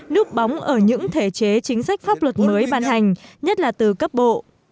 núp bóng ở những thể chế chính sách pháp luật mới ban hành nhất là từ cấp bộ